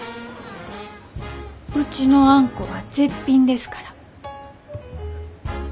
うちのあんこは絶品ですから。